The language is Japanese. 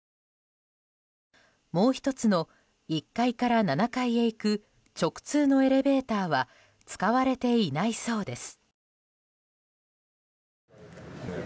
もう１つの１階から７階へ行く直通のエレベーターは使われていないそうです。